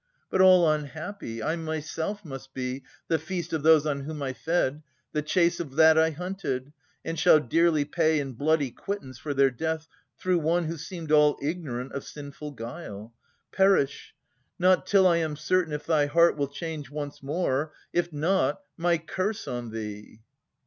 But, all unhappy ! I myself must be The feast of those on whom I fed, the chase Of that I hunted, and shall dearly pay In bloody quittance for their death, through one Who seemed all ignorant of sinful guile. Perish, — not till I am certain if thy heart Will change once more,— if not, my curse on thee!